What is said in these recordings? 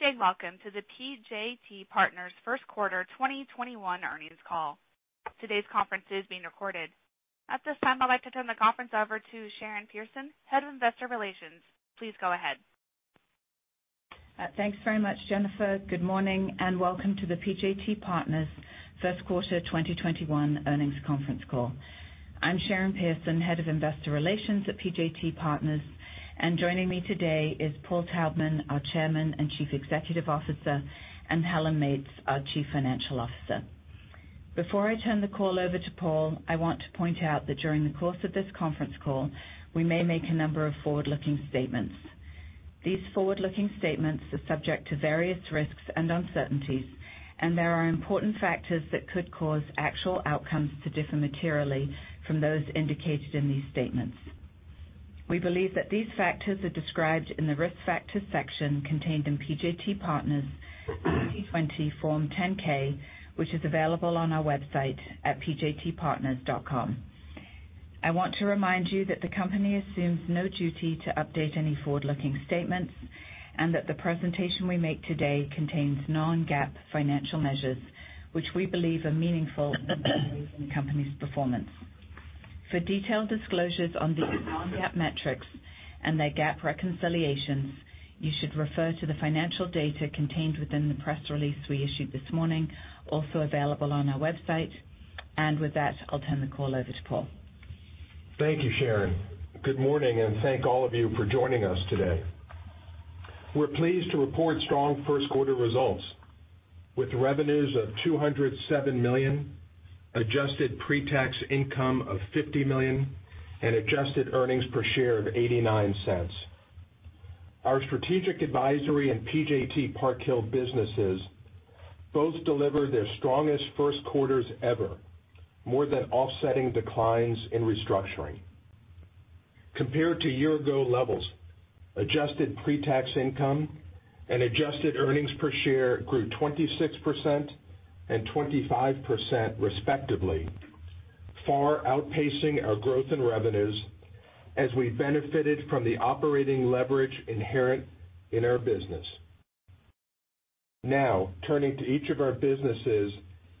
This is a welcome to the PJT Partners first quarter 2021 Earnings Call. Today's conference is being recorded. At this time, I'd like to turn the conference over to Sharon Pearson, Head of Investor Relations. Please go ahead. Thanks very much, Jennifer. Good morning and welcome to the PJT Partners first quater 2021 earnings conference call. I'm Sharon Pearson, Head of Investor Relations at PJT Partners, and joining me today is Paul Taubman, our Chairman and Chief Executive Officer, and Helen Meates, our Chief Financial Officer. Before I turn the call over to Paul, I want to point out that during the course of this conference call, we may make a number of forward-looking statements. These forward-looking statements are subject to various risks and uncertainties, and there are important factors that could cause actual outcomes to differ materially from those indicated in these statements. We believe that these factors are described in the risk factors section contained in PJT Partners' 2020 Form 10-K, which is available on our website at pjtpartners.com. I want to remind you that the company assumes no duty to update any forward-looking statements and that the presentation we make today contains non-GAAP financial measures, which we believe are meaningful in the company's performance. For detailed disclosures on these non-GAAP metrics and their GAAP reconciliations, you should refer to the financial data contained within the press release we issued this morning, also available on our website, and with that, I'll turn the call over to Paul. Thank you, Sharon. Good morning and thank all of you for joining us today. We're pleased to report strong first quarter results with revenues of $207 million, adjusted pre-tax income of $50 million, and adjusted earnings per share of $0.89. Our strategic advisory and PJT Park Hill businesses both delivered their strongest first quater ever, more than offsetting declines in restructuring. Compared to year-ago levels, adjusted pre-tax income and adjusted earnings per share grew 26% and 25% respectively, far outpacing our growth in revenues as we benefited from the operating leverage inherent in our business. Now, turning to each of our businesses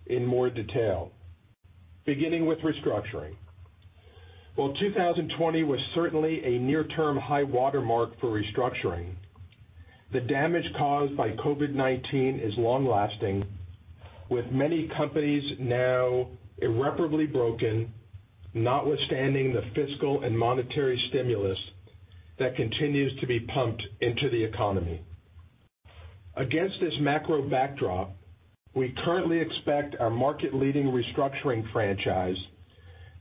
in more detail, beginning with restructuring. Well, 2020 was certainly a near-term high watermark for restructuring. The damage caused by COVID-19 is long-lasting, with many companies now irreparably broken, notwithstanding the fiscal and monetary stimulus that continues to be pumped into the economy. Against this macro backdrop, we currently expect our market-leading restructuring franchise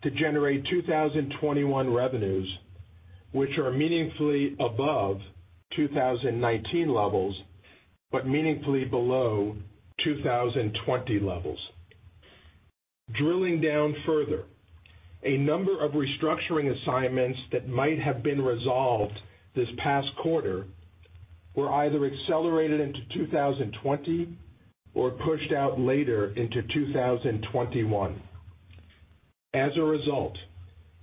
to generate 2021 revenues, which are meaningfully above 2019 levels but meaningfully below 2020 levels. Drilling down further, a number of restructuring assignments that might have been resolved this past quarter were either accelerated into 2020 or pushed out later into 2021. As a result,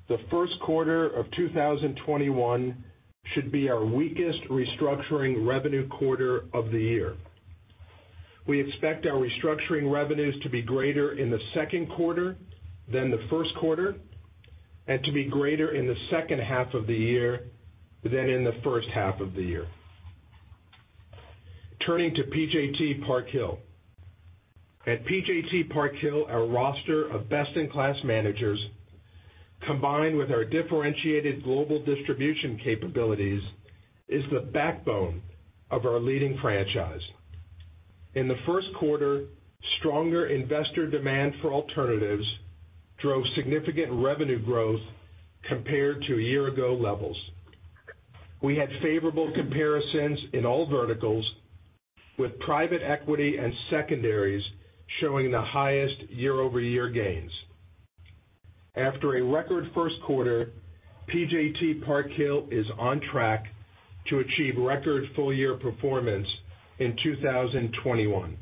the first quater of 2021 should be our weakest restructuring revenue quarter of the year. We expect our restructuring revenues to be greater in the second quarter than the first quarter and to be greater in the second half of the year than in the first half of the year. Turning to PJT Park Hill, at PJT Park Hill, our roster of best-in-class managers, combined with our differentiated global distribution capabilities, is the backbone of our leading franchise. In the first quarter, stronger investor demand for alternatives drove significant revenue growth compared to year-ago levels. We had favorable comparisons in all verticals, with private equity and secondaries showing the highest year-over-year gains. After a record first quarter, PJT Park Hill is on track to achieve record full-year performance in 2021.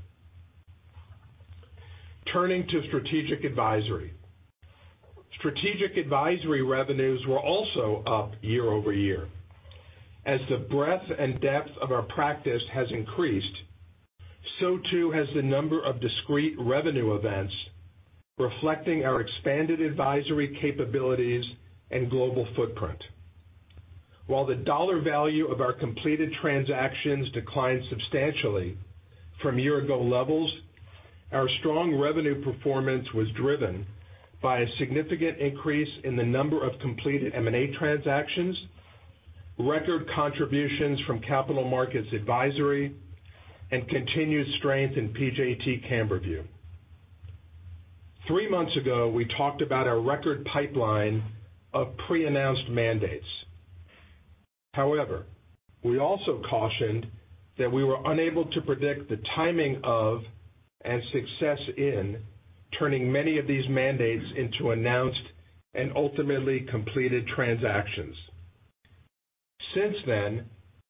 Turning to strategic advisory, strategic advisory revenues were also up year-over-year. As the breadth and depth of our practice has increased, so too has the number of discrete revenue events reflecting our expanded advisory capabilities and global footprint. While the dollar value of our completed transactions declined substantially from year-ago levels, our strong revenue performance was driven by a significant increase in the number of completed M&A transactions, record contributions from capital markets advisory, and continued strength in PJT Camberview. Three months ago, we talked about our record pipeline of pre-announced mandates. However, we also cautioned that we were unable to predict the timing of and success in turning many of these mandates into announced and ultimately completed transactions. Since then,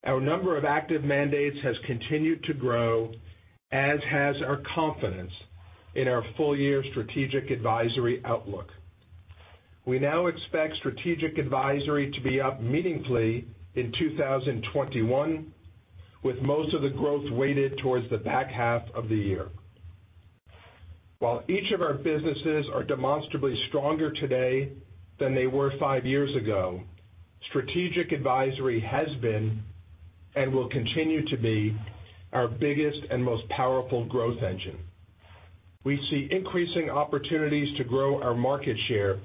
our number of active mandates has continued to grow, as has our confidence in our full-year strategic advisory outlook. We now expect strategic advisory to be up meaningfully in 2021, with most of the growth weighted towards the back half of the year. While each of our businesses are demonstrably stronger today than they were five years ago, strategic advisory has been and will continue to be our biggest and most powerful growth engine. We see increasing opportunities to grow our market share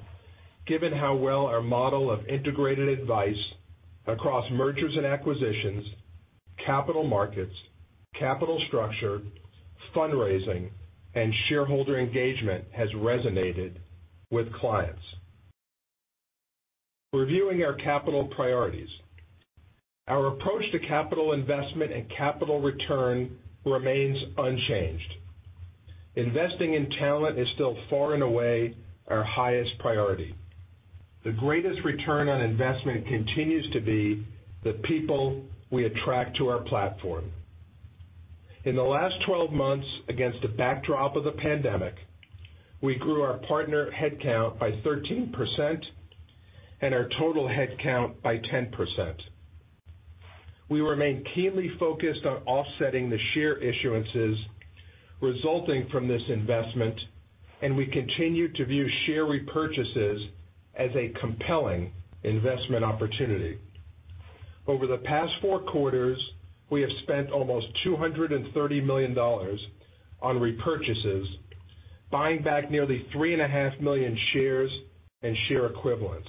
given how well our model of integrated advice across mergers and acquisitions, capital markets, capital structure, fundraising, and shareholder engagement has resonated with clients. Reviewing our capital priorities, our approach to capital investment and capital return remains unchanged. Investing in talent is still far and away our highest priority. The greatest return on investment continues to be the people we attract to our platform. In the last 12 months, against the backdrop of the pandemic, we grew our partner headcount by 13% and our total headcount by 10%. We remain keenly focused on offsetting the share issuances resulting from this investment, and we continue to view share repurchases as a compelling investment opportunity. Over the past four quarters, we have spent almost $230 million on repurchases, buying back nearly three and a half million shares and share equivalents.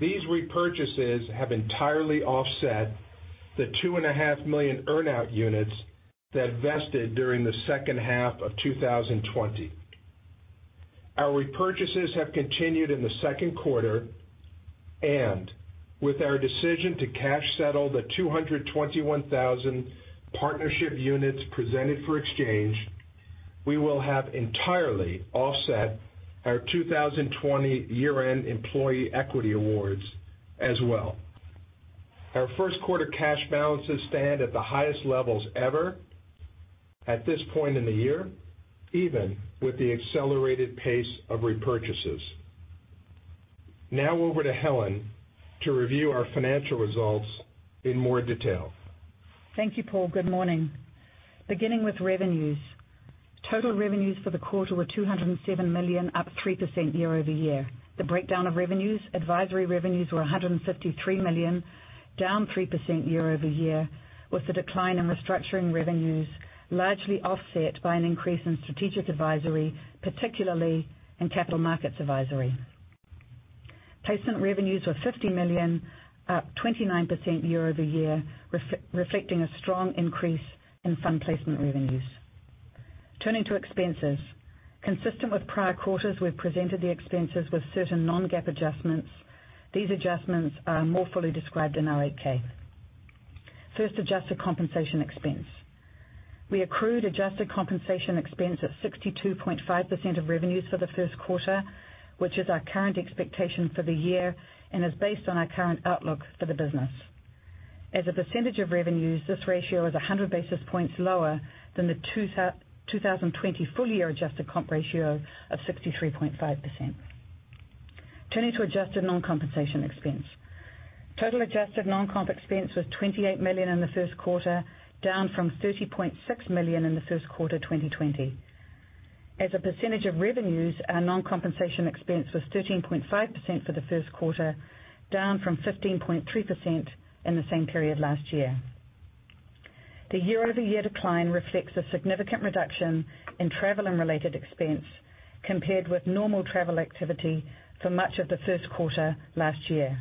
These repurchases have entirely offset the two and a half million earnout units that vested during the second half of 2020. Our repurchases have continued in the second quarter, and with our decision to cash settle the 221,000 partnership units presented for exchange, we will have entirely offset our 2020 year-end employee equity awards as well. Our first quarter cash balances stand at the highest levels ever at this point in the year, even with the accelerated pace of repurchases. Now over to Helen to review our financial results in more detail. Thank you, Paul. Good morning. Beginning with revenues, total revenues for the quarter were $207 million, up 3% year-over-year. The breakdown of revenues: advisory revenues were $153 million, down 3% year-over-year, with the decline in restructuring revenues largely offset by an increase in strategic advisory, particularly in capital markets advisory. Placement revenues were $50 million, up 29% year-over-year, reflecting a strong increase in fund placement revenues. Turning to expenses, consistent with prior quarters, we've presented the expenses with certain non-GAAP adjustments. These adjustments are more fully described in our 8-K. First, adjusted compensation expense. We accrued adjusted compensation expense at 62.5% of revenues for the first quarter, which is our current expectation for the year and is based on our current outlook for the business. As a percentage of revenues, this ratio is 100 basis points lower than the 2020 full-year adjusted comp ratio of 63.5%. Turning to adjusted non-compensation expense, total adjusted non-comp expense was $28 million in the first quarter, down from $30.6 million in the first quarter 2020. As a percentage of revenues, our non-compensation expense was 13.5% for the first quarter, down from 15.3% in the same period last year. The year-over-year decline reflects a significant reduction in travel and related expense compared with normal travel activity for much of the first quarter last year.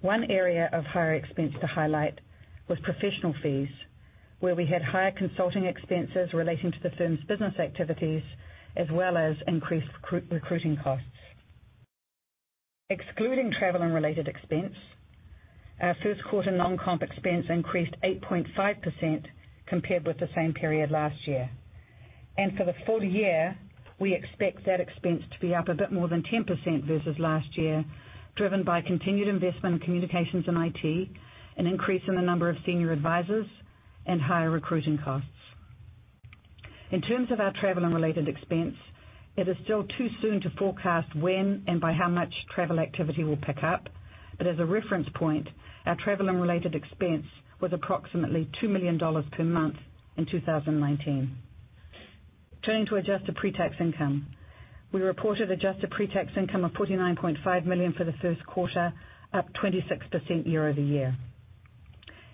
One area of higher expense to highlight was professional fees, where we had higher consulting expenses relating to the firm's business activities as well as increased recruiting costs. Excluding travel and related expense, our first quarter non-comp expense increased 8.5% compared with the same period last year. And for the full year, we expect that expense to be up a bit more than 10% versus last year, driven by continued investment in communications and IT, an increase in the number of senior advisors, and higher recruiting costs. In terms of our travel and related expense, it is still too soon to forecast when and by how much travel activity will pick up, but as a reference point, our travel and related expense was approximately $2 million per month in 2019. Turning to adjusted pre-tax income, we reported adjusted pre-tax income of $49.5 million for the first quarter, up 26% year-over-year.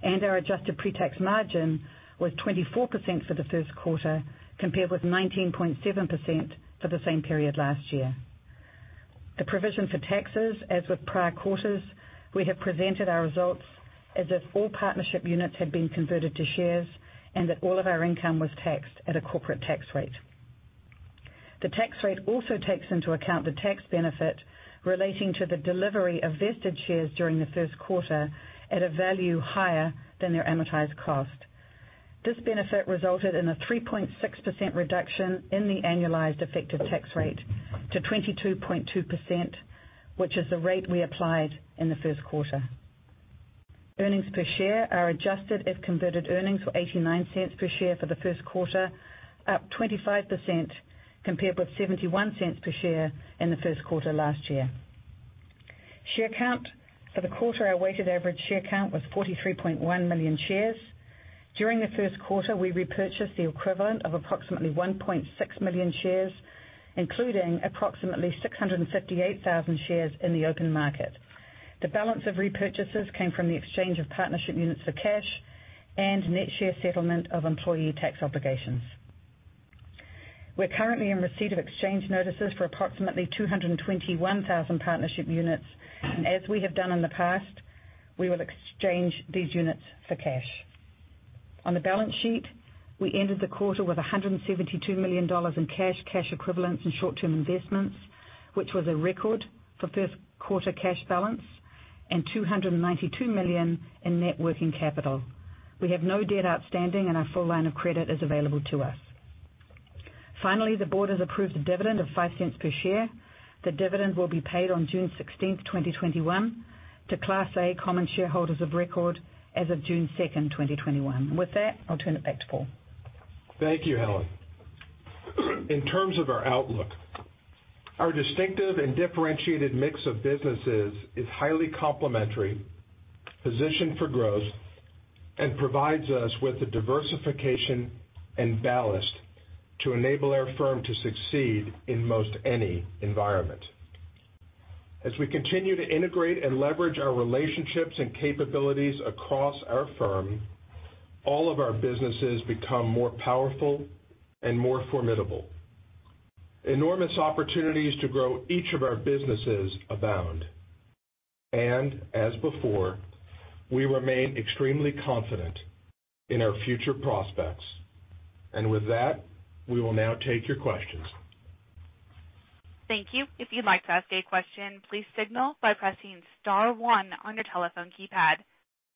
And our adjusted pre-tax margin was 24% for the first quarter compared with 19.7% for the same period last year. The provision for taxes, as with prior quarters, we have presented our results as if all partnership units had been converted to shares and that all of our income was taxed at a corporate tax rate. The tax rate also takes into account the tax benefit relating to the delivery of vested shares during the first quarter at a value higher than their amortized cost. This benefit resulted in a 3.6% reduction in the annualized effective tax rate to 22.2%, which is the rate we applied in the first quarter. Adjusted earnings per share, if-converted earnings, were $0.89 per share for the first quarter, up 25% compared with $0.71 per share in the first quarter last year. Share count for the quarter, our weighted average share count was 43.1 million shares. During the first quarter, we repurchased the equivalent of approximately 1.6 million shares, including approximately 658,000 shares in the open market. The balance of repurchases came from the exchange of partnership units for cash and net share settlement of employee tax obligations. We're currently in receipt of exchange notices for approximately 221,000 partnership units, and as we have done in the past, we will exchange these units for cash. On the balance sheet, we ended the quarter with $172 million in cash, cash equivalents, and short-term investments, which was a record for first quarter cash balance and $292 million in net working capital. We have no debt outstanding, and our full line of credit is available to us. Finally, the board has approved a dividend of $0.05 per share. The dividend will be paid on June 16th, 2021, to Class A Common Shareholders of record as of June 2nd, 2021. With that, I'll turn it back to Paul. Thank you, Helen. In terms of our outlook, our distinctive and differentiated mix of businesses is highly complementary, positioned for growth, and provides us with a diversification and ballast to enable our firm to succeed in most any environment. As we continue to integrate and leverage our relationships and capabilities across our firm, all of our businesses become more powerful and more formidable. Enormous opportunities to grow each of our businesses abound. And as before, we remain extremely confident in our future prospects. And with that, we will now take your questions. Thank you. If you'd like to ask a question, please signal by pressing Star 1 on your telephone keypad.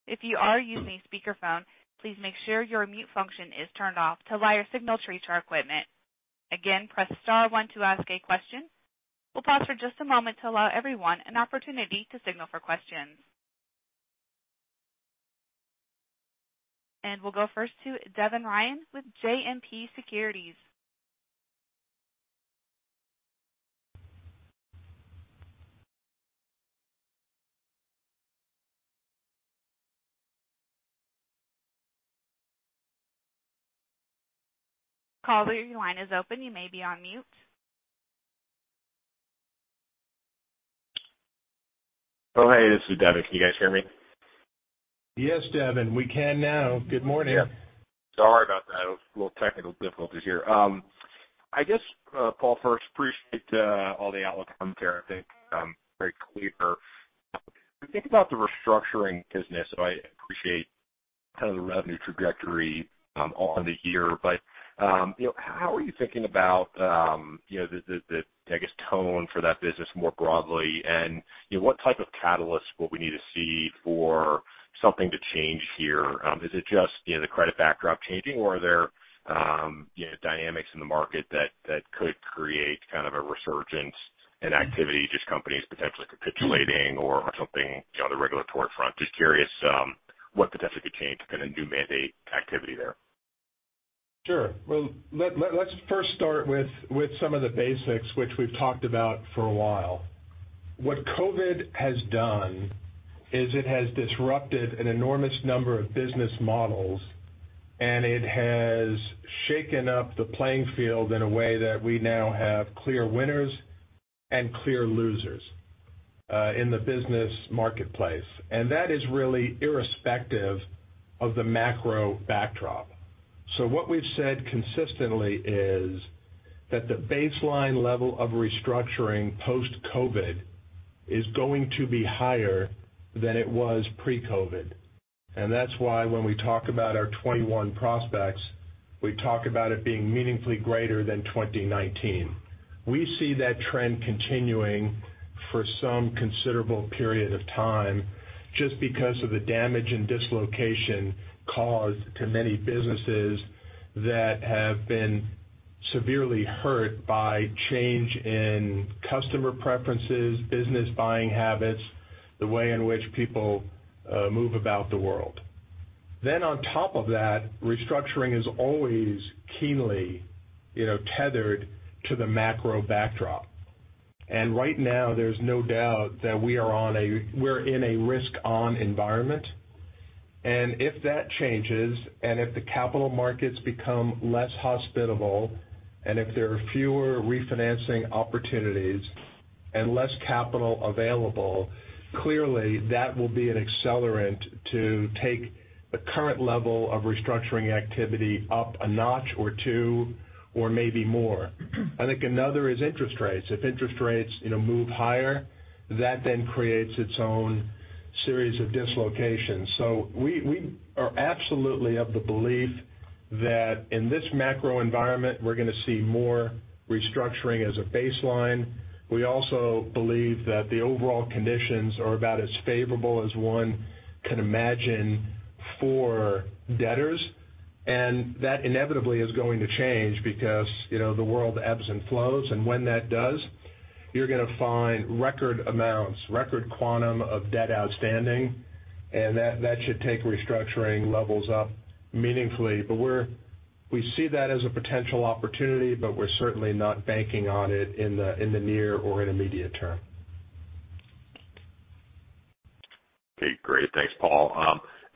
If you are using a speakerphone, please make sure your mute function is turned off to allow your signal to reach our equipment. Again, press Star 1 to ask a question. We'll pause for just a moment to allow everyone an opportunity to signal for questions, and we'll go first to Devin Ryan with JMP Securities. Caller, your line is open. You may be on mute. Oh, hey, this is Devin. Can you guys hear me? Yes, Devin. We can now. Good morning. Yeah. Sorry about that. A little technical difficulties here. I guess, Paul, first, appreciate all the outlook from there. I think very clear. When you think about the restructuring business, I appreciate kind of the revenue trajectory all in the year. But how are you thinking about the, I guess, tone for that business more broadly? And what type of catalysts will we need to see for something to change here? Is it just the credit backdrop changing, or are there dynamics in the market that could create kind of a resurgence in activity, just companies potentially capitulating or something on the regulatory front? Just curious what potentially could change to kind of new mandate activity there. Sure, well, let's first start with some of the basics, which we've talked about for a while. What COVID has done is it has disrupted an enormous number of business models, and it has shaken up the playing field in a way that we now have clear winners and clear losers in the business marketplace, and that is really irrespective of the macro backdrop, so what we've said consistently is that the baseline level of restructuring post-COVID is going to be higher than it was pre-COVID, and that's why when we talk about our 2021 prospects, we talk about it being meaningfully greater than 2019. We see that trend continuing for some considerable period of time just because of the damage and dislocation caused to many businesses that have been severely hurt by change in customer preferences, business buying habits, the way in which people move about the world. Then on top of that, restructuring is always keenly tethered to the macro backdrop. And right now, there's no doubt that we are in a risk-on environment. And if that changes and if the capital markets become less hospitable and if there are fewer refinancing opportunities and less capital available, clearly, that will be an accelerant to take the current level of restructuring activity up a notch or two or maybe more. I think another is interest rates. If interest rates move higher, that then creates its own series of dislocations. So we are absolutely of the belief that in this macro environment, we're going to see more restructuring as a baseline. We also believe that the overall conditions are about as favorable as one can imagine for debtors. And that inevitably is going to change because the world ebbs and flows. When that does, you're going to find record amounts, record quantum of debt outstanding, and that should take restructuring levels up meaningfully. We see that as a potential opportunity, but we're certainly not banking on it in the near or intermediate term. Okay. Great. Thanks, Paul,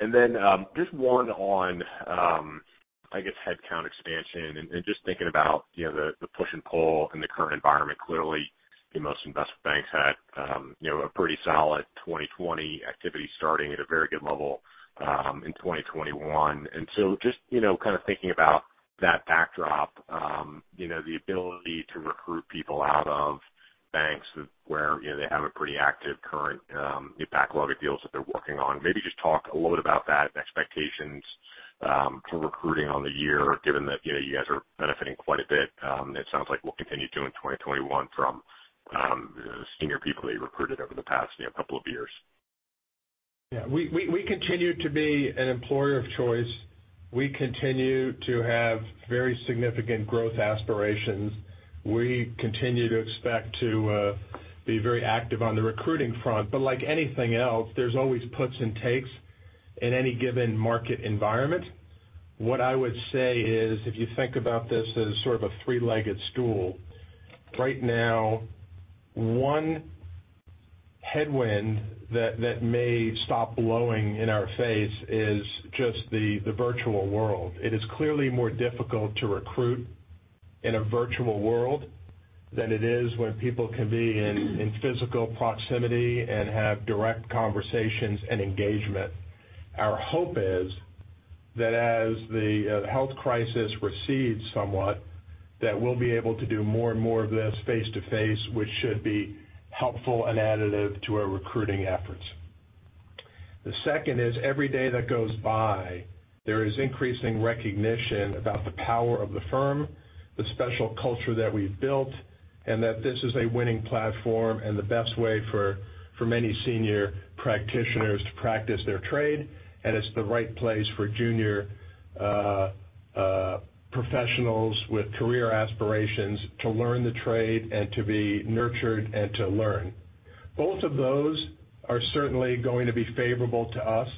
and then just one on, I guess, headcount expansion and just thinking about the push and pull in the current environment. Clearly, most investment banks had a pretty solid 2020 activity starting at a very good level in 2021, and so just kind of thinking about that backdrop, the ability to recruit people out of banks where they have a pretty active current backlog of deals that they're working on. Maybe just talk a little bit about that and expectations for recruiting on the year, given that you guys are benefiting quite a bit. It sounds like we'll continue doing 2021 from the senior people that you recruited over the past couple of years. Yeah. We continue to be an employer of choice. We continue to have very significant growth aspirations. We continue to expect to be very active on the recruiting front. But like anything else, there's always puts and takes in any given market environment. What I would say is, if you think about this as sort of a three-legged stool, right now, one headwind that may stop blowing in our face is just the virtual world. It is clearly more difficult to recruit in a virtual world than it is when people can be in physical proximity and have direct conversations and engagement. Our hope is that as the health crisis recedes somewhat, that we'll be able to do more and more of this face-to-face, which should be helpful and additive to our recruiting efforts. The second is, every day that goes by, there is increasing recognition about the power of the firm, the special culture that we've built, and that this is a winning platform and the best way for many senior practitioners to practice their trade. And it's the right place for junior professionals with career aspirations to learn the trade and to be nurtured and to learn. Both of those are certainly going to be favorable to us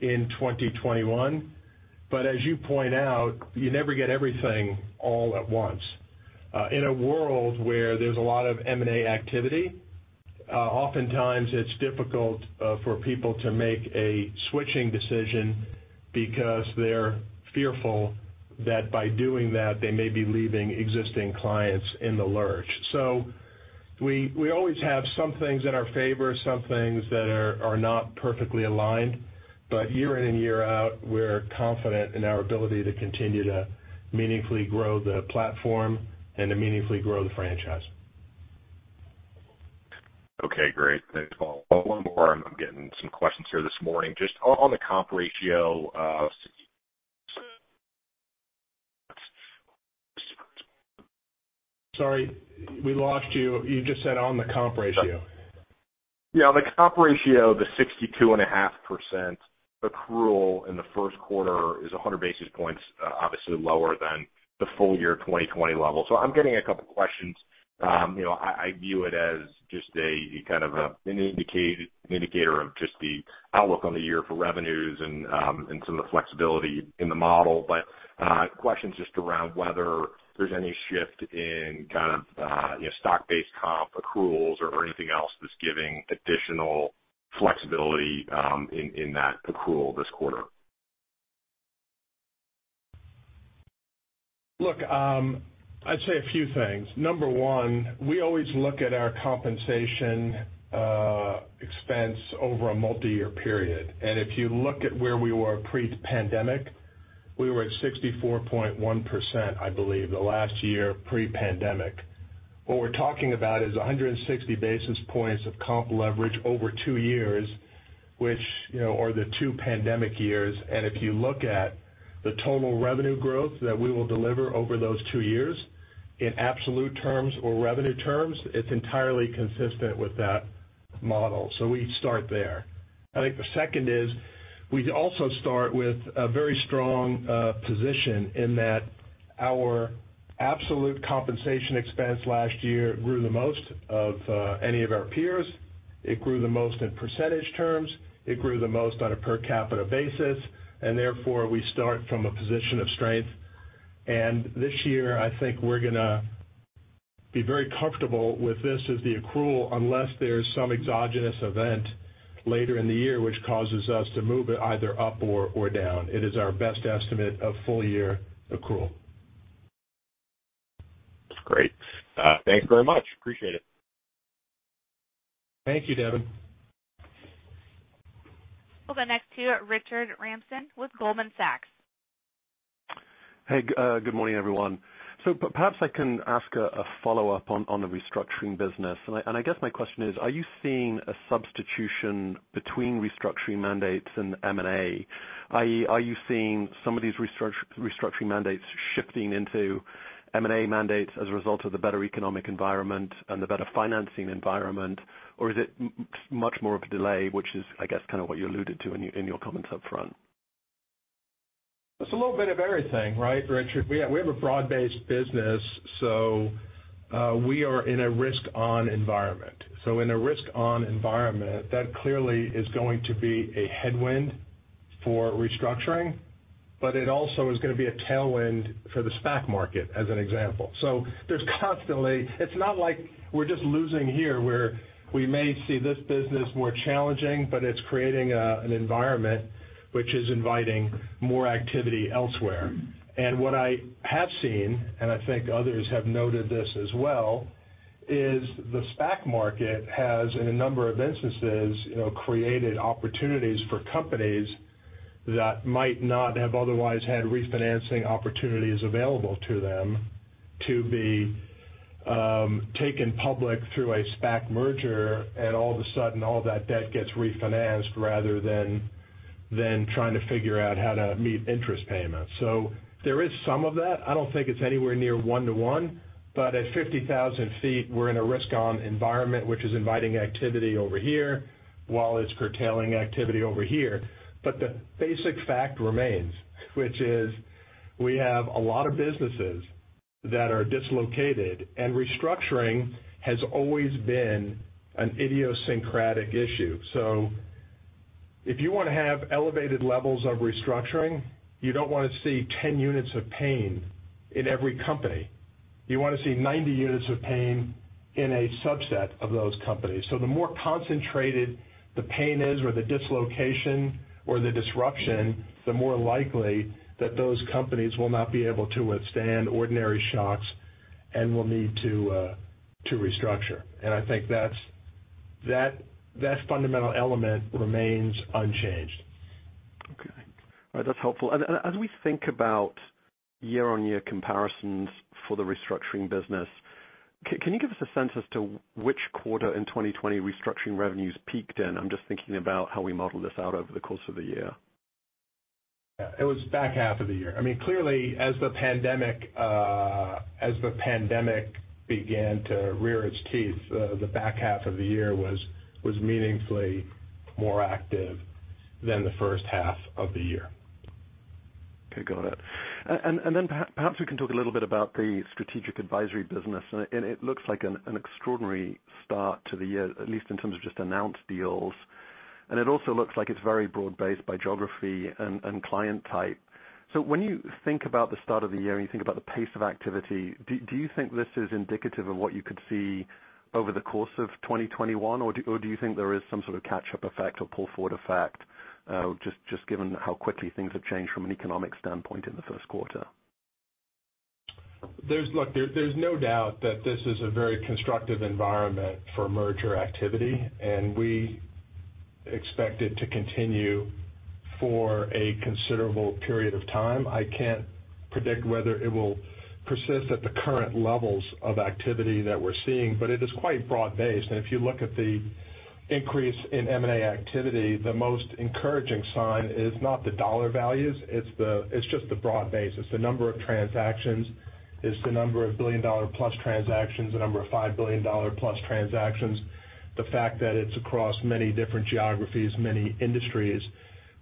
in 2021. But as you point out, you never get everything all at once. In a world where there's a lot of M&A activity, oftentimes it's difficult for people to make a switching decision because they're fearful that by doing that, they may be leaving existing clients in the lurch. So we always have some things in our favor, some things that are not perfectly aligned. But year in and year out, we're confident in our ability to continue to meaningfully grow the platform and to meaningfully grow the franchise. Okay. Great. Thanks, Paul. One more. I'm getting some questions here this morning. Just on the comp ratio of. Sorry. We lost you. You just said on the comp ratio. Yeah. The comp ratio, the 62.5% accrual in the first quarter is 100 basis points obviously lower than the full year 2020 level. So I'm getting a couple of questions. I view it as just kind of an indicator of just the outlook on the year for revenues and some of the flexibility in the model. But questions just around whether there's any shift in kind of stock-based comp accruals or anything else that's giving additional flexibility in that accrual this quarter. Look, I'd say a few things. Number one, we always look at our compensation expense over a multi-year period. And if you look at where we were pre-pandemic, we were at 64.1%, I believe, the last year pre-pandemic. What we're talking about is 160 basis points of comp leverage over two years, which are the two pandemic years. And if you look at the total revenue growth that we will deliver over those two years in absolute terms or revenue terms, it's entirely consistent with that model. So we start there. I think the second is we also start with a very strong position in that our absolute compensation expense last year grew the most of any of our peers. It grew the most in percentage terms. It grew the most on a per capita basis. And therefore, we start from a position of strength. This year, I think we're going to be very comfortable with this as the accrual unless there's some exogenous event later in the year which causes us to move it either up or down. It is our best estimate of full-year accrual. Great. Thanks very much. Appreciate it. Thank you, Devin. We'll go next to Richard Ramsden with Goldman Sachs. Hey, good morning, everyone. So perhaps I can ask a follow-up on the restructuring business. And I guess my question is, are you seeing a substitution between restructuring mandates and M&A? Are you seeing some of these restructuring mandates shifting into M&A mandates as a result of the better economic environment and the better financing environment? Or is it much more of a delay, which is, I guess, kind of what you alluded to in your comments upfront? It's a little bit of everything, right, Richard? We have a broad-based business, so we are in a risk-on environment, so in a risk-on environment, that clearly is going to be a headwind for restructuring, but it also is going to be a tailwind for the SPAC market, as an example, so it's not like we're just losing here, where we may see this business more challenging, but it's creating an environment which is inviting more activity elsewhere, and what I have seen, and I think others have noted this as well, is the SPAC market has, in a number of instances, created opportunities for companies that might not have otherwise had refinancing opportunities available to them to be taken public through a SPAC merger, and all of a sudden, all that debt gets refinanced rather than trying to figure out how to meet interest payments. So there is some of that. I don't think it's anywhere near one-to-one, but at 50,000 feet, we're in a risk-on environment, which is inviting activity over here while it's curtailing activity over here. But the basic fact remains, which is we have a lot of businesses that are dislocated, and restructuring has always been an idiosyncratic issue. So if you want to have elevated levels of restructuring, you don't want to see 10 units of pain in every company. You want to see 90 units of pain in a subset of those companies. So the more concentrated the pain is or the dislocation or the disruption, the more likely that those companies will not be able to withstand ordinary shocks and will need to restructure. And I think that fundamental element remains unchanged. Okay. All right. That's helpful. As we think about year-on-year comparisons for the restructuring business, can you give us a sense as to which quarter in 2020 restructuring revenues peaked in? I'm just thinking about how we model this out over the course of the year. Yeah. It was the back half of the year. I mean, clearly, as the pandemic began to rear its teeth, the back half of the year was meaningfully more active than the first half of the year. Okay. Got it. And then perhaps we can talk a little bit about the strategic advisory business. And it looks like an extraordinary start to the year, at least in terms of just announced deals. And it also looks like it's very broad-based by geography and client type. So when you think about the start of the year and you think about the pace of activity, do you think this is indicative of what you could see over the course of 2021? Or do you think there is some sort of catch-up effect or pull-forward effect, just given how quickly things have changed from an economic standpoint in the first quarter? There's no doubt that this is a very constructive environment for merger activity, and we expect it to continue for a considerable period of time. I can't predict whether it will persist at the current levels of activity that we're seeing, but it is quite broad-based. And if you look at the increase in M&A activity, the most encouraging sign is not the dollar values. It's just the broad base. The number of transactions is the number of billion-dollar-plus transactions, the number of $5 billion plus transactions, the fact that it's across many different geographies, many industries,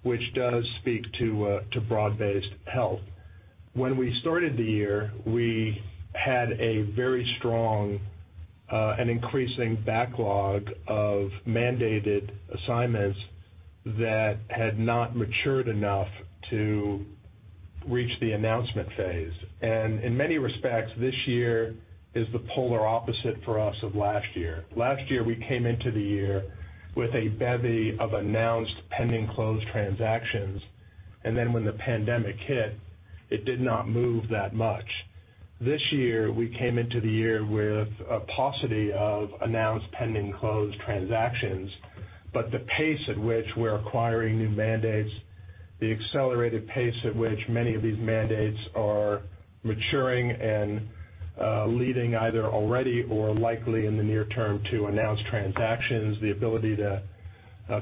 which does speak to broad-based health. When we started the year, we had a very strong and increasing backlog of mandated assignments that had not matured enough to reach the announcement phase. And in many respects, this year is the polar opposite for us of last year. Last year, we came into the year with a bevy of announced pending closed transactions. And then when the pandemic hit, it did not move that much. This year, we came into the year with a paucity of announced pending closed transactions. But the pace at which we're acquiring new mandates, the accelerated pace at which many of these mandates are maturing and leading either already or likely in the near term to announced transactions, the ability to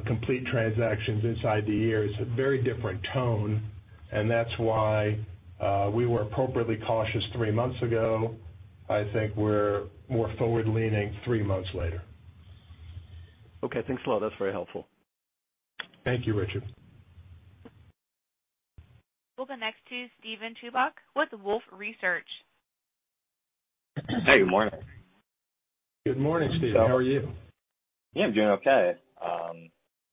complete transactions inside the year is a very different tone. And that's why we were appropriately cautious three months ago. I think we're more forward-leaning three months later. Okay. Thanks, Paul. That's very helpful. Thank you, Richard. We'll go next to Steven Chubak with Wolfe Research. Hey. Good morning. Good morning, Steve. How are you? Yeah. I'm doing okay.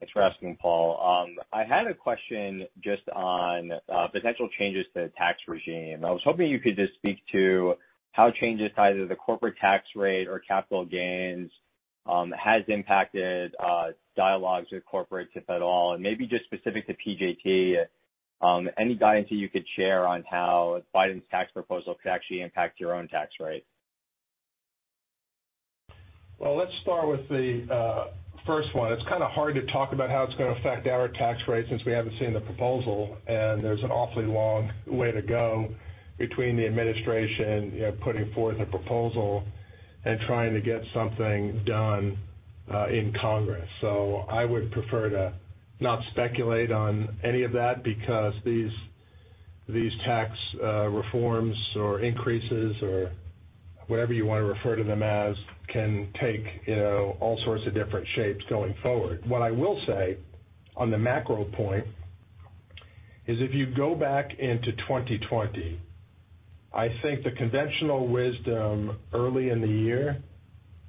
Thanks for asking, Paul. I had a question just on potential changes to the tax regime. I was hoping you could just speak to how changes to either the corporate tax rate or capital gains have impacted dialogues with corporates, if at all. And maybe just specific to PJT, any guidance that you could share on how Biden's tax proposal could actually impact your own tax rate? Let's start with the first one. It's kind of hard to talk about how it's going to affect our tax rate since we haven't seen the proposal. There's an awfully long way to go between the administration putting forth a proposal and trying to get something done in Congress. I would prefer to not speculate on any of that because these tax reforms or increases or whatever you want to refer to them as can take all sorts of different shapes going forward. What I will say on the macro point is if you go back into 2020, I think the conventional wisdom early in the year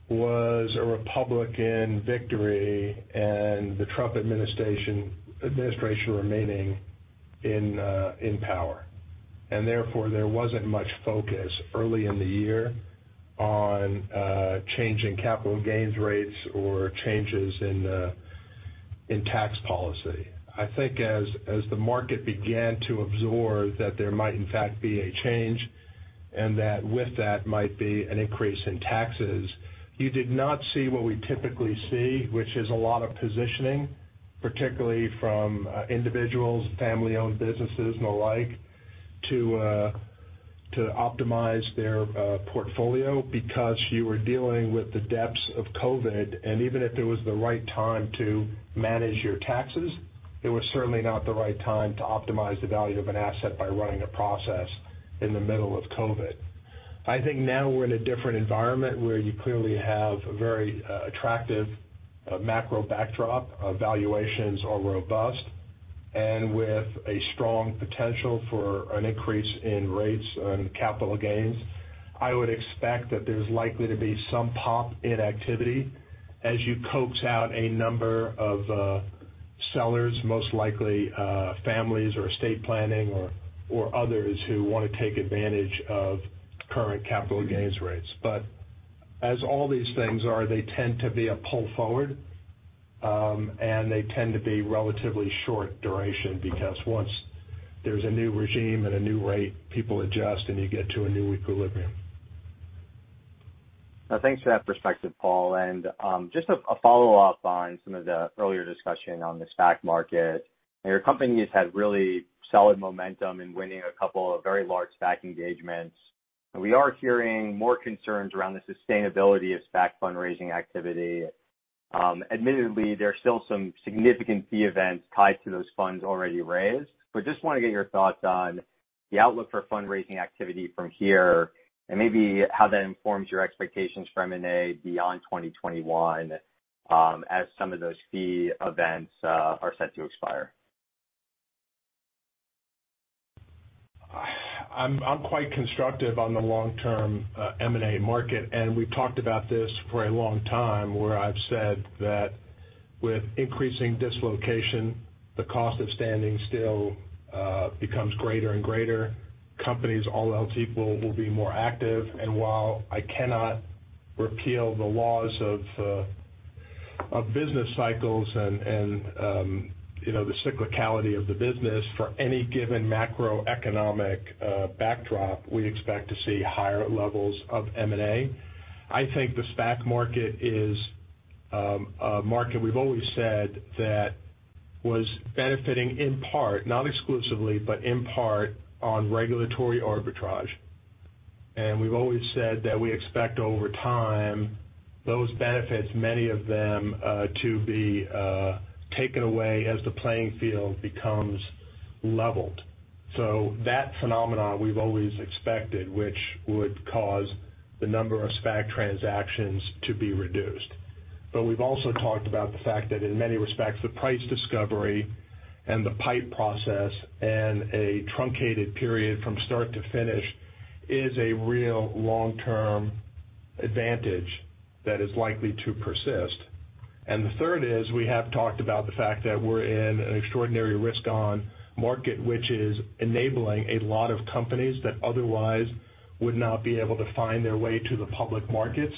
was a Republican victory and the Trump administration remaining in power. Therefore, there wasn't much focus early in the year on changing capital gains rates or changes in tax policy. I think as the market began to absorb that there might, in fact, be a change and that with that might be an increase in taxes, you did not see what we typically see, which is a lot of positioning, particularly from individuals, family-owned businesses, and the like, to optimize their portfolio because you were dealing with the depths of COVID, and even if it was the right time to manage your taxes, it was certainly not the right time to optimize the value of an asset by running a process in the middle of COVID. I think now we're in a different environment where you clearly have a very attractive macro backdrop of valuations are robust. With a strong potential for an increase in rates and capital gains, I would expect that there's likely to be some pop in activity as you coax out a number of sellers, most likely families or estate planning or others who want to take advantage of current capital gains rates. As all these things are, they tend to be a pull-forward, and they tend to be relatively short duration because once there's a new regime and a new rate, people adjust and you get to a new equilibrium. Thanks for that perspective, Paul. And just a follow-up on some of the earlier discussion on the SPAC market. Your companies had really solid momentum in winning a couple of very large SPAC engagements. And we are hearing more concerns around the sustainability of SPAC fundraising activity. Admittedly, there are still some significant fee events tied to those funds already raised. But just want to get your thoughts on the outlook for fundraising activity from here and maybe how that informs your expectations for M&A beyond 2021 as some of those fee events are set to expire. I'm quite constructive on the long-term M&A market, and we've talked about this for a long time where I've said that with increasing dislocation, the cost of standing still becomes greater and greater. Companies, all else equal, will be more active, and while I cannot repeal the laws of business cycles and the cyclicality of the business, for any given macroeconomic backdrop, we expect to see higher levels of M&A. I think the SPAC market is a market we've always said that was benefiting in part, not exclusively, but in part on regulatory arbitrage, and we've always said that we expect over time those benefits, many of them, to be taken away as the playing field becomes leveled, so that phenomenon we've always expected, which would cause the number of SPAC transactions to be reduced. But we've also talked about the fact that in many respects, the price discovery and the PIPE process and a truncated period from start to finish is a real long-term advantage that is likely to persist. And the third is we have talked about the fact that we're in an extraordinary risk-on market, which is enabling a lot of companies that otherwise would not be able to find their way to the public markets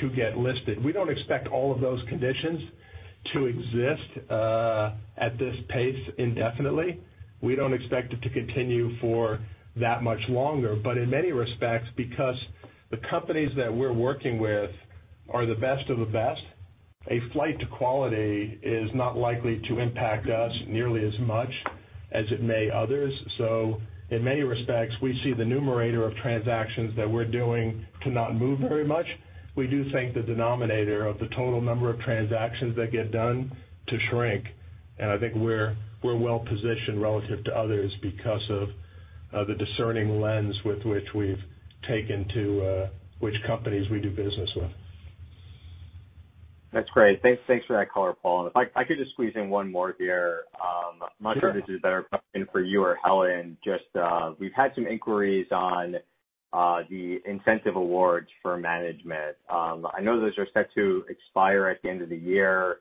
to get listed. We don't expect all of those conditions to exist at this pace indefinitely. We don't expect it to continue for that much longer. But in many respects, because the companies that we're working with are the best of the best, a flight to quality is not likely to impact us nearly as much as it may others. So in many respects, we see the numerator of transactions that we're doing to not move very much. We do think the denominator of the total number of transactions that get done to shrink. And I think we're well-positioned relative to others because of the discerning lens with which we've taken to which companies we do business with. That's great. Thanks for that color, Paul. If I could just squeeze in one more here. I'm not sure if this is better for you or Helen. Just we've had some inquiries on the incentive awards for management. I know those are set to expire at the end of the year.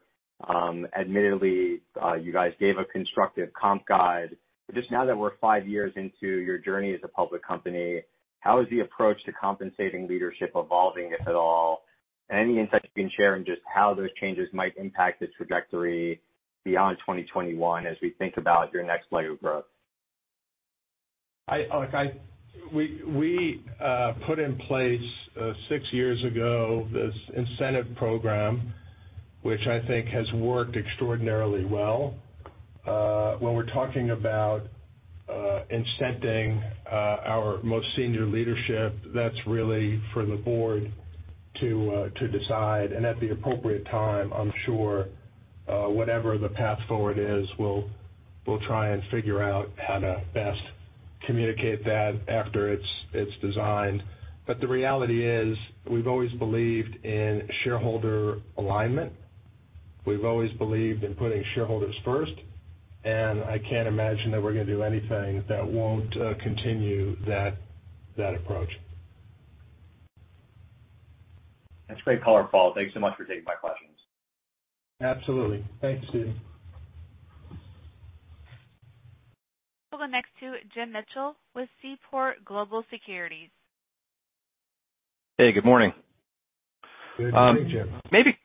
Admittedly, you guys gave a constructive comp guide. But just now that we're five years into your journey as a public company, how is the approach to compensating leadership evolving, if at all? And any insights you can share in just how those changes might impact the trajectory beyond 2021 as we think about your next leg of growth? We put in place six years ago this incentive program, which I think has worked extraordinarily well. When we're talking about incenting our most senior leadership, that's really for the board to decide. And at the appropriate time, I'm sure whatever the path forward is, we'll try and figure out how to best communicate that after it's designed. But the reality is we've always believed in shareholder alignment. We've always believed in putting shareholders first. And I can't imagine that we're going to do anything that won't continue that approach. That's great color, Paul. Thanks so much for taking my questions. Absolutely. Thanks, Steven. We'll go next to James Mitchell with Seaport Global Securities. Hey. Good morning. Good morning, James.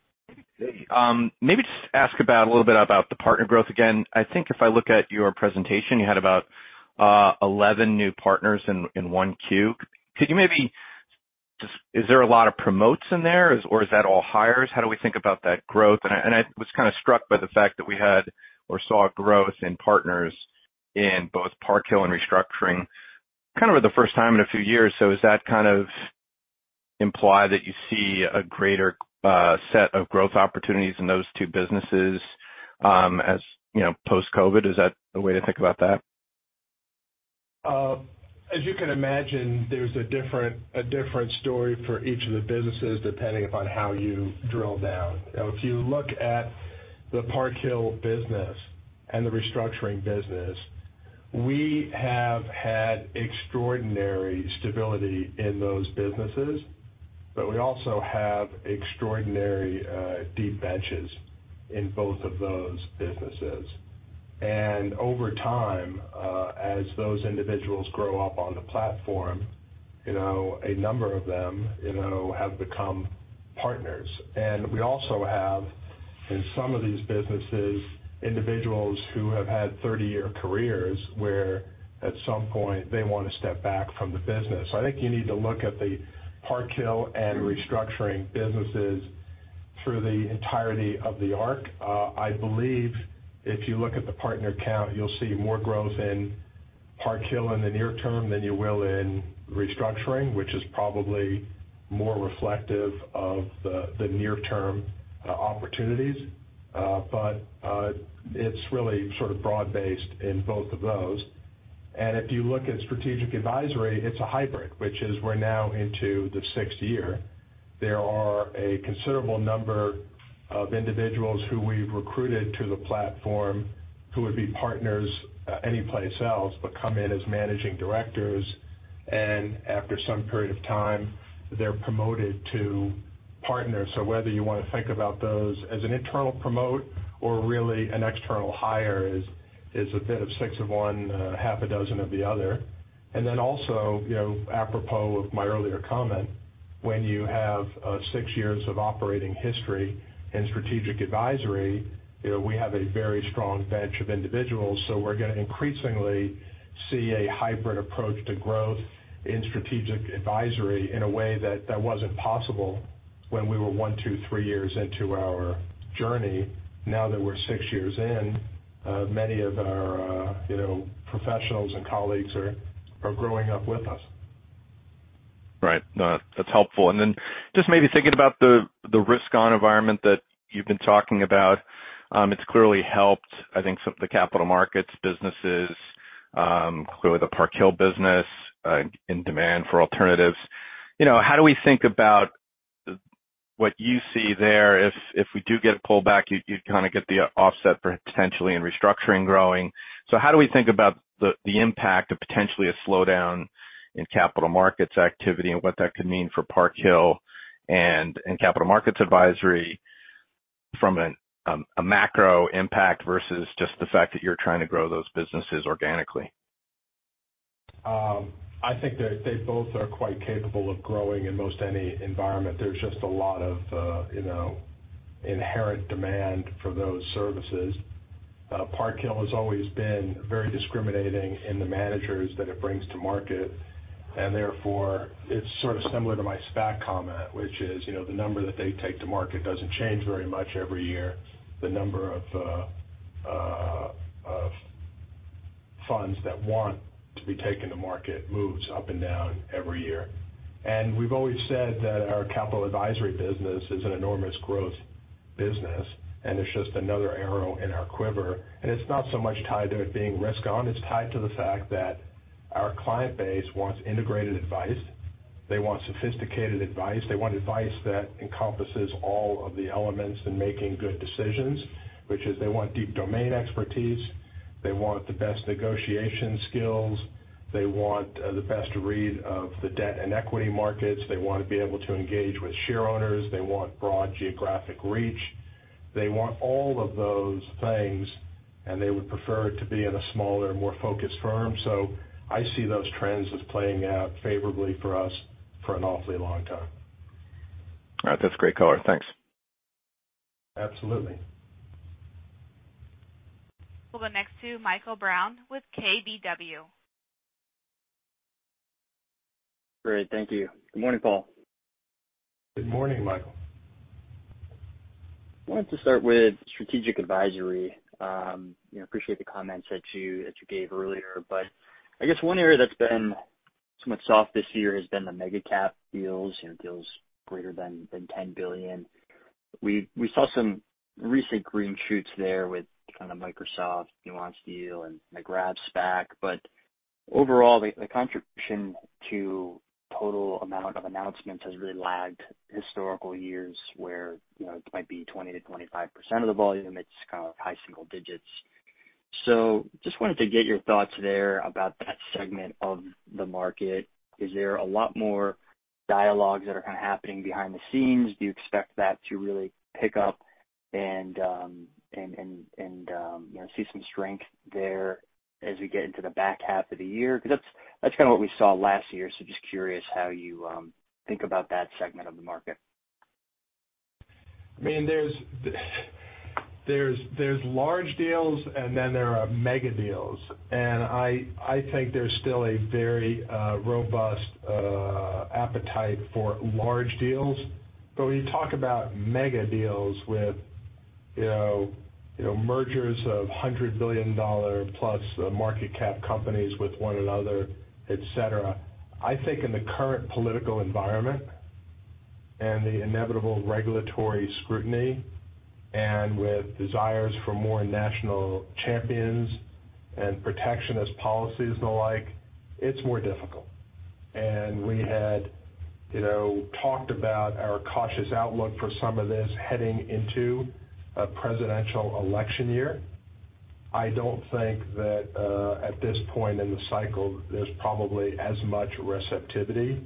Maybe just ask a little bit about the partner growth. Again, I think if I look at your presentation, you had about 11 new partners in Q1. Could you maybe just is there a lot of promotes in there, or is that all hires? How do we think about that growth? And I was kind of struck by the fact that we had or saw growth in partners in both Park Hill and Restructuring kind of for the first time in a few years. So does that kind of imply that you see a greater set of growth opportunities in those two businesses post-COVID? Is that a way to think about that? As you can imagine, there's a different story for each of the businesses depending upon how you drill down. If you look at the Park Hill business and the Restructuring business, we have had extraordinary stability in those businesses, but we also have extraordinary deep benches in both of those businesses. And over time, as those individuals grow up on the platform, a number of them have become partners. And we also have, in some of these businesses, individuals who have had 30-year careers where at some point they want to step back from the business. I think you need to look at the Park Hill and Restructuring businesses through the entirety of the arc. I believe if you look at the partner count, you'll see more growth in Park Hill in the near term than you will in Restructuring, which is probably more reflective of the near-term opportunities. But it's really sort of broad-based in both of those. And if you look at strategic advisory, it's a hybrid, which is we're now into the sixth year. There are a considerable number of individuals who we've recruited to the platform who would be partners anyplace else but come in as managing directors. And after some period of time, they're promoted to partners. So whether you want to think about those as an internal promote or really an external hire is a bit of six of one, half a dozen of the other. And then also, apropos of my earlier comment, when you have six years of operating history in strategic advisory, we have a very strong bench of individuals. So we're going to increasingly see a hybrid approach to growth in strategic advisory in a way that wasn't possible when we were one, two, three years into our journey. Now that we're six years in, many of our professionals and colleagues are growing up with us. Right. That's helpful. And then just maybe thinking about the risk-on environment that you've been talking about, it's clearly helped, I think, some of the capital markets businesses, clearly the Park Hill business in demand for alternatives. How do we think about what you see there? If we do get a pullback, you'd kind of get the offset potentially in Restructuring growing. So how do we think about the impact of potentially a slowdown in capital markets activity and what that could mean for Park Hill and capital markets advisory from a macro impact versus just the fact that you're trying to grow those businesses organically? I think they both are quite capable of growing in most any environment. There's just a lot of inherent demand for those services. Park Hill has always been very discriminating in the managers that it brings to market, and therefore, it's sort of similar to my SPAC comment, which is the number that they take to market doesn't change very much every year. The number of funds that want to be taken to market moves up and down every year, and we've always said that our capital advisory business is an enormous growth business, and it's just another arrow in our quiver, and it's not so much tied to it being risk-on. It's tied to the fact that our client base wants integrated advice. They want sophisticated advice. They want advice that encompasses all of the elements in making good decisions, which is they want deep domain expertise. They want the best negotiation skills. They want the best read of the debt and equity markets. They want to be able to engage with share owners. They want broad geographic reach. They want all of those things, and they would prefer to be in a smaller, more focused firm. So I see those trends as playing out favorably for us for an awfully long time. All right. That's great color. Thanks. Absolutely. We'll go next to Michael Brown with KBW. Great. Thank you. Good morning, Paul. Good morning, Michael. I wanted to start with strategic advisory. Appreciate the comments that you gave earlier. But I guess one area that's been somewhat soft this year has been the mega-cap deals, deals greater than $10 billion. We saw some recent green shoots there with kind of Microsoft Nuance deal and the Grab SPAC. But overall, the contribution to total amount of announcements has really lagged historical years where it might be 20%-25% of the volume. It's kind of high single digits. So just wanted to get your thoughts there about that segment of the market. Is there a lot more dialogues that are kind of happening behind the scenes? Do you expect that to really pick up and see some strength there as we get into the back half of the year? Because that's kind of what we saw last year. So just curious how you think about that segment of the market? I mean, there's large deals, and then there are mega deals. And I think there's still a very robust appetite for large deals. But when you talk about mega deals with mergers of hundred-billion-dollar plus market cap companies with one another, etc., I think in the current political environment and the inevitable regulatory scrutiny and with desires for more national champions and protectionist policies and the like, it's more difficult. And we had talked about our cautious outlook for some of this heading into a presidential election year. I don't think that at this point in the cycle, there's probably as much receptivity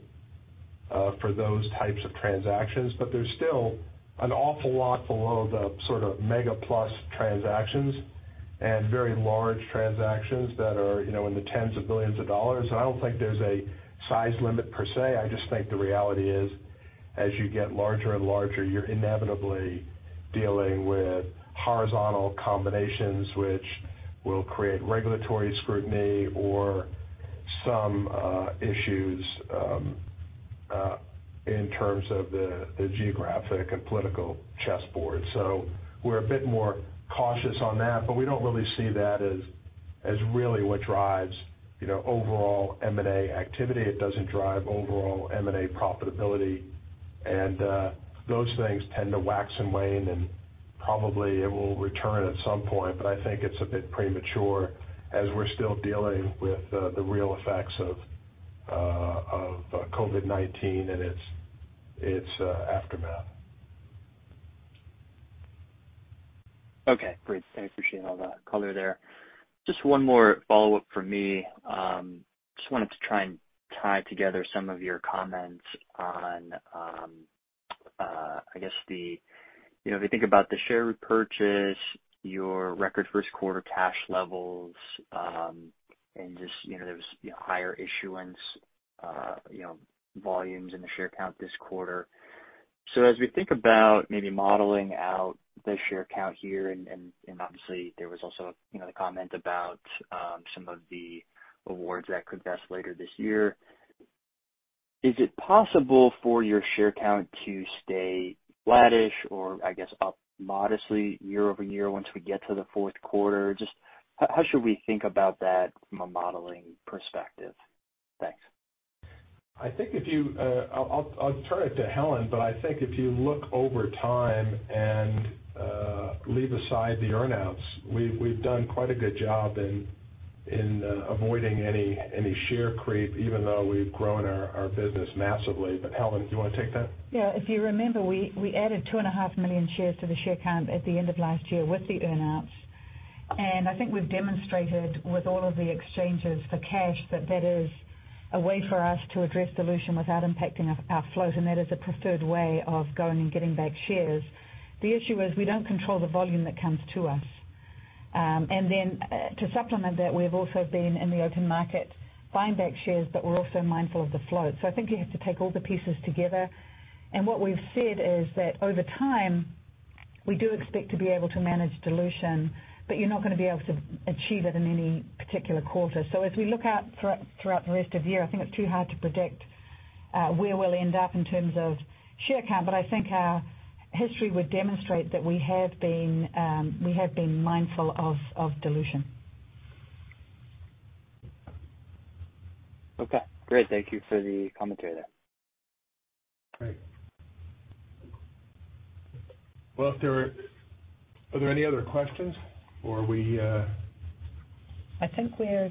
for those types of transactions. But there's still an awful lot below the sort of mega-plus transactions and very large transactions that are in the tens of billions of dollars. And I don't think there's a size limit per se. I just think the reality is, as you get larger and larger, you're inevitably dealing with horizontal combinations, which will create regulatory scrutiny or some issues in terms of the geographic and political chessboard. So we're a bit more cautious on that. But we don't really see that as really what drives overall M&A activity. It doesn't drive overall M&A profitability. And those things tend to wax and wane, and probably it will return at some point. But I think it's a bit premature as we're still dealing with the real effects of COVID-19 and its aftermath. Okay. Great. I appreciate all the color there. Just one more follow-up from me. Just wanted to try and tie together some of your comments on, I guess, if you think about the share repurchase, your record first quarter cash levels, and just there was higher issuance volumes in the share count this quarter. So as we think about maybe modeling out the share count here, and obviously, there was also the comment about some of the awards that could vest later this year, is it possible for your share count to stay flattish or, I guess, up modestly year over year once we get to the fourth quarter? Just how should we think about that from a modeling perspective? Thanks. I think I'll turn it to Helen, but I think if you look over time and leave aside the earnouts, we've done quite a good job in avoiding any share creep, even though we've grown our business massively. But Helen, do you want to take that? Yeah. If you remember, we added 2.5 million shares to the share count at the end of last year with the earnouts. And I think we've demonstrated with all of the exchanges for cash that that is a way for us to address dilution without impacting our float. And that is a preferred way of going and getting back shares. The issue is we don't control the volume that comes to us. And then to supplement that, we've also been in the open market buying back shares, but we're also mindful of the float. So I think you have to take all the pieces together. And what we've said is that over time, we do expect to be able to manage dilution, but you're not going to be able to achieve it in any particular quarter. So as we look out throughout the rest of the year, I think it's too hard to predict where we'll end up in terms of share count. But I think our history would demonstrate that we have been mindful of dilution. Okay. Great. Thank you for the commentary there. Great. Well, are there any other questions, or are we? I think we're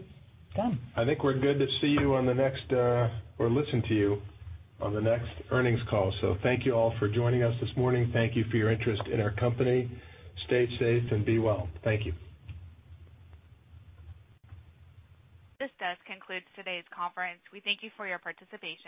done. I think we're good to see you on the next or listen to you on the next earnings call. So thank you all for joining us this morning. Thank you for your interest in our company. Stay safe and be well. Thank you. This does conclude today's conference. We thank you for your participation.